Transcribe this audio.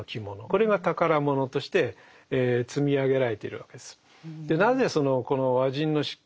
これが宝物として積み上げられているわけです。